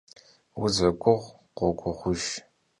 Vuzeguğur khoguğujj.